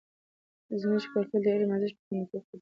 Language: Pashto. زموږ کلتور د علم د ارزښت په خوندیتوب کې دی.